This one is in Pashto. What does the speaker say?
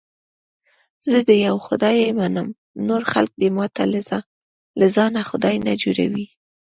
زه د یوه خدای منم، نور خلک دې ماته له ځانه خدای نه جوړي.